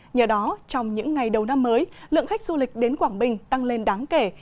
nhờ đó trong những ngày đầu năm mới lượng khách du lịch đến quảng bình tăng lên đáng kể